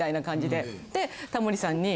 でタモリさんに。